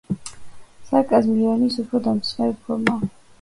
სარკაზმი ირონიის უფრო დამცინავი ფორმაა.